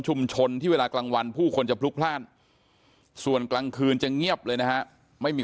ที่เวลากลางวันผู้คนจะพลุกพลาดส่วนกลางคืนจะเงียบเลยนะฮะไม่มี